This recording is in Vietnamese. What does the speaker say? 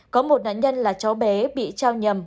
có một nạn nhân là cháu bé bị trao nhầm